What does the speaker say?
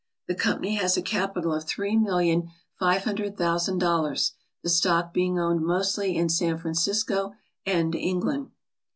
The company has a capital of three mil lion five hundred thousand dollars, the stock being owned mostly in San Francisco and England.